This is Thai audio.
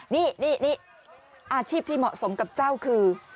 นี่อาชีพที่เหมาะสมกับเจ้าคือ